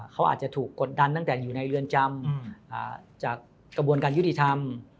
เขาอาจจะถูกกดดันตั้งแต่อยู่ในเรือนจำจากกระบวนการยุติธรรม